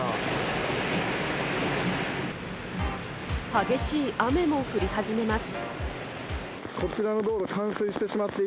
激しい雨も降り始めます。